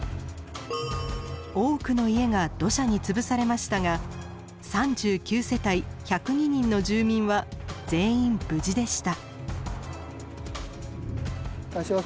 多くの家が土砂に潰されましたが３９世帯１０２人の住民は全員無事でした。